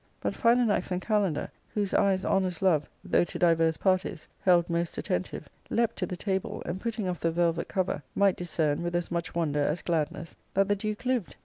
But Philanax and Kalander, whose eyes honest love, though to divers parties, held most attentive, leaped to the table, and putting off the velvet cover, might discern, with as much wonder as gladness, that the duke lived.